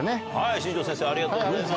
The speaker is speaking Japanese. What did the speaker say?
新庄先生ありがとうございます。